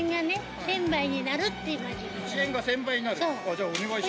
じゃあお願いします。